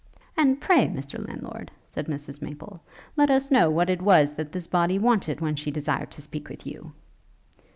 'And pray, Mr Landlord,' said Mrs Maple, 'let us know what it was that this body wanted, when she desired to speak with you?'